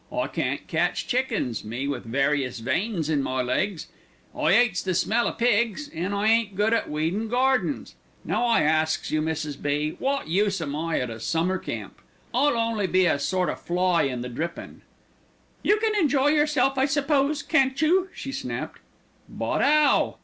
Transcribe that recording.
"I can't catch chickens, me with various veins in my legs, I 'ates the smell o' pigs, an' I ain't good at weedin' gardens. Now I asks you, Mrs. B., wot use am I at a summer camp? I'll only be a sort o' fly in the drippin'." "You can enjoy yourself, I suppose, can't you?" she snapped. "But 'ow?"